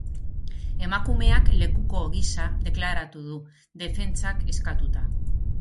Emakumeak lekuko gisa deklaratu du, defentsak eskatuta.